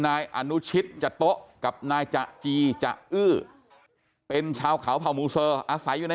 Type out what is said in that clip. นายอนุชิตจโต๊ะกับนายจะจีจะอื้อเป็นชาวเขาเผ่ามูเซอร์อาศัยอยู่ใน